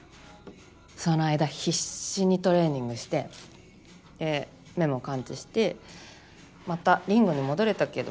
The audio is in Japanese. その間必死にトレーニングしてで目も完治してまたリングに戻れたけど。